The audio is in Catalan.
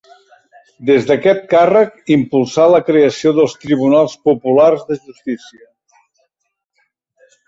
Des d'aquest càrrec, impulsà la creació dels Tribunals Populars de Justícia.